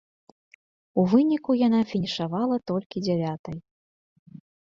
У выніку яна фінішавала толькі дзявятай.